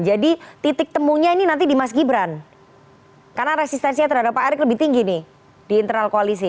jadi titik temunya ini nanti di mas gibran karena resistensinya terhadap pak erik lebih tinggi nih di internal koalisi